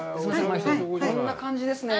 こんな感じですね。